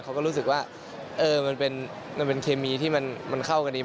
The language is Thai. เขาก็รู้สึกว่ามันเป็นเคมีที่มันเข้ากันดี